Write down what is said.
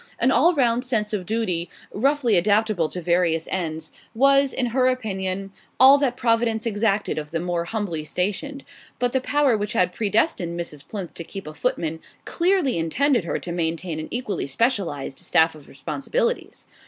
An all round sense of duty, roughly adaptable to various ends, was, in her opinion, all that Providence exacted of the more humbly stationed; but the power which had predestined Mrs. Plinth to keep a footman clearly intended her to maintain an equally specialized staff of responsibilities.